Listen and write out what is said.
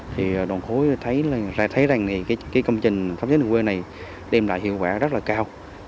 thì đoàn khối ra thấy rằng công trình thắp sáng đường quê này đem lại hiệu quả rất là cao